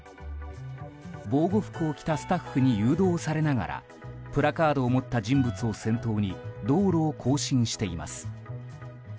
防護服を着たスタッフに誘導されながらプラカードを持った人物を先頭に道路を行進しています。